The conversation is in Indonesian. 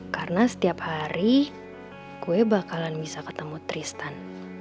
karena setiap hari gue bakalan bisa ketemu tristan